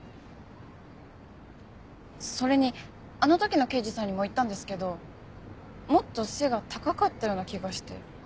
それにあの時の刑事さんにも言ったんですけどもっと背が高かったような気がして。